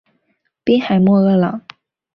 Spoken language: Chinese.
滨海莫厄朗。